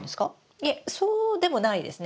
いえそうでもないですね。